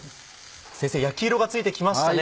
先生焼き色がついてきましたね。